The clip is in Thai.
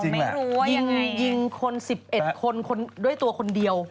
ยิงคน๑๑คนคนด้วยตัวคนเดียว